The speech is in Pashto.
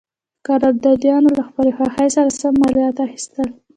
قراردادیانو له خپلې خوښې سره سم مالیات اخیستل.